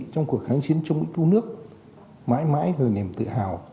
trong cuộc kháng chiến chống mỹ cứu nước mãi mãi được niềm tự hào